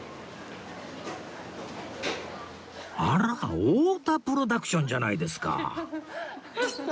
あらっ太田プロダクションじゃないですか！